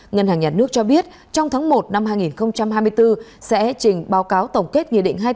ngân hàng nhà nước cho biết trong tháng một năm hai nghìn hai mươi bốn sẽ hệ trình báo cáo tổng kết